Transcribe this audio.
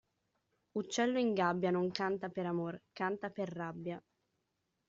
Uccello in gabbia non canta per amor, canta per rabbia.